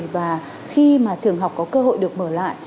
và khi mà trường học có cơ hội được mở lại